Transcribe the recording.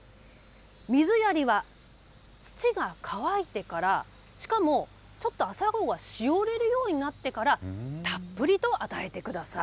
水やりは土が乾いてから、しかもちょっと朝顔がしおれるようになってから、たっぷりと与えてください。